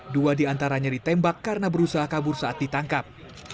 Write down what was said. dua diantaranya ditembak karena berusaha kabur saat ditangkap